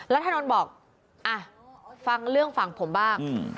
รัฐานนท์บอกฟังเรื่องฟังผมบ้าง